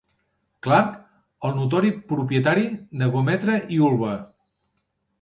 Clark, el notori propietari de Gometra i Ulva.